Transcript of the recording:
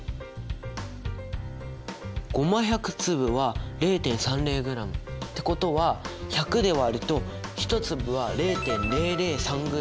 ゴマ１００粒は０．３０ｇ。ってことは１００で割ると１粒は０．００３ｇ。